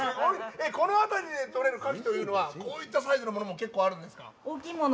この辺りでとれるカキというのはどういうサイズがあるんですか？